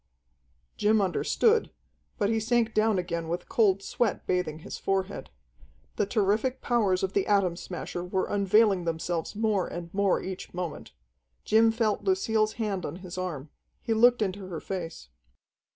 Jim understood, but he sank down again with cold sweat bathing his forehead. The terrific powers of the Atom Smasher were unveiling themselves more and more each moment. Jim felt Lucille's hand on his arm. He looked into her face.